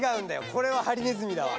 これはハリネズミだわ。